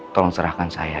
tolong serahkan saya